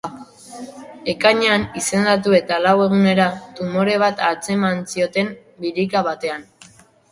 Ekainean, izendatu eta lau egunera, tumore bat atzeman zioten birika batean.